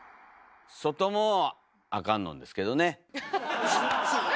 外もあかんのんですけどね。